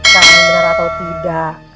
bahkan bener atau tidak